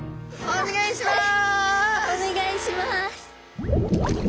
お願いします。